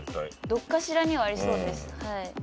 どっかしらにはありそうです。